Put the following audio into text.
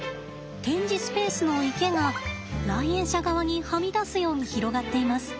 展示スペースの池が来園者側にはみ出すように広がっています。